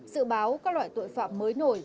dự báo các loại tội phạm mới nổi